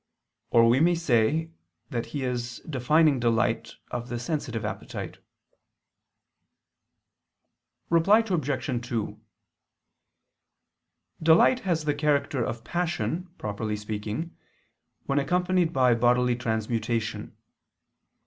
Or we may say that he is defining delight of the sensitive appetite. Reply Obj. 2: Delight has the character of passion, properly speaking, when accompanied by bodily transmutation.